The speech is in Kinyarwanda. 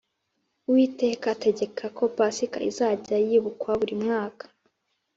Uwiteka ategeka ko Pasika izajya yibukwa buri mwaka